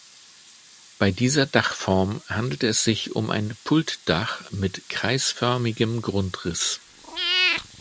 Bei dieser Dachform handelt es sich um ein Pultdach mit kreisförmigem Grundriss.